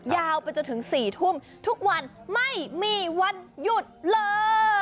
ยาวไปจนถึง๔ทุ่มทุกวันไม่มีวันหยุดเลย